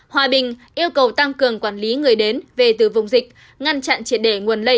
hòa bình yêu cầu tăng cường quản lý người đến về từ vùng dịch ngăn chặn triệt để nguồn lây